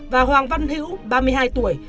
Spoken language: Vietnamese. và hoàng văn hữu ba mươi hai tuổi